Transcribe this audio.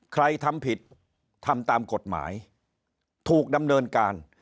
ทำผิดทำตามกฎหมายถูกดำเนินการ